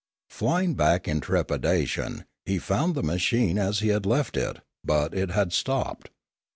Flying back in trepidation, he found the machine as he had left it, but it had stopped.